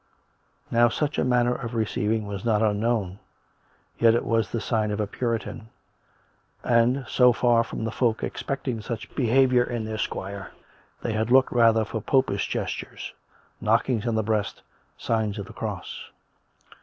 Now such a manner of receiving was not unknown; yel it was the sign of a Puritan; and, so far from the folk expecting such behaviour in their squire, they had looked rather for Poi^ish gestures, knockings on the breast, signs of the cross.